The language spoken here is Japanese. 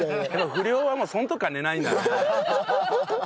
不良はその時から寝ないんだね。